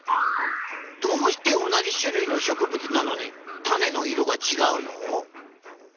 どうして同じしゅるいのしょくぶつなのにタネの色がちがうの？